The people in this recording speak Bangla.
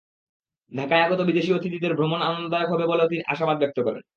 ঢাকায় আগত বিদেশি অতিথিদের ভ্রমণ আনন্দদায়ক হবে বলেও আশাবাদ ব্যক্ত করেন তিনি।